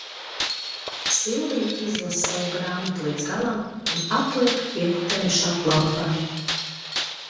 Silvija izlasa savu grāmatu līdz galam un atliek pieputējušā plauktā.